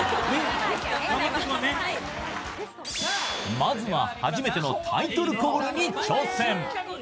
まずは初めてのタイトルコールに挑戦。